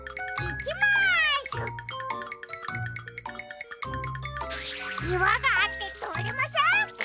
いわがあってとおれません。